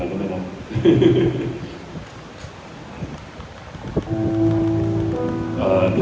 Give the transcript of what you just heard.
เช่นคนของเราถึงเส้นเธอ